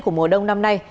của mùa đông năm nay